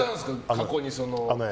過去に。